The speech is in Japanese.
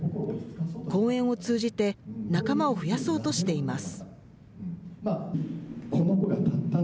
講演を通じて、仲間を増やそうとしています。